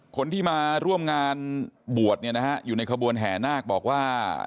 คนที่มาร่วมงานบวชอยู่ในขบวนแห่นาคบอกว่า